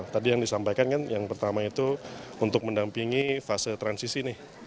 tadi yang disampaikan kan yang pertama itu untuk mendampingi fase transisi nih